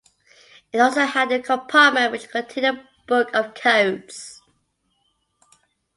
It also had a compartment which contained a book of codes.